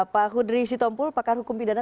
pak hudri sitompul pakar hukum pidana